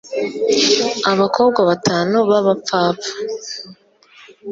abakobwa batanu baba pfapfa